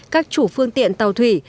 các chủ phương tiện tàu thủy